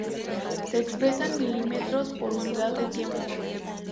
Se expresa en milímetros por unidad de tiempo.